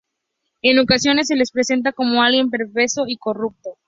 En ocasiones se lo presenta como alguien perverso y corrupto.